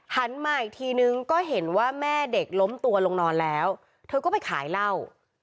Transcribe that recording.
หันมาอีกทีนึงก็เห็นว่าแม่เด็กล้มตัวลงนอนแล้วเธอก็ไปขายเหล้า